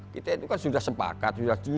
kita itu kan sudah sepakat